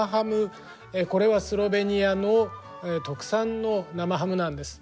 これはスロベニアの特産の生ハムなんです。